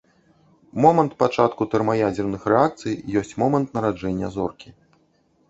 Момант пачатку тэрмаядзерных рэакцый ёсць момант нараджэння зоркі.